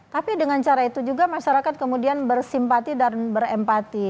tapi dengan cara itu juga masyarakat kemudian bersimpati dan berempati